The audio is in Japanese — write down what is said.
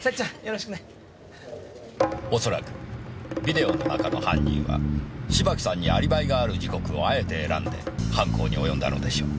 恐らくビデオの中の犯人は芝木さんにアリバイがある時刻をあえて選んで犯行に及んだのでしょう。